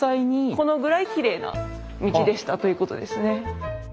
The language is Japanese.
このぐらいきれいな道でしたということですね。